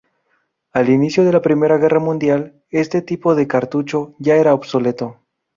Al inicio de la Primera Guerra Mundial, este tipo de cartucho ya era obsoleto.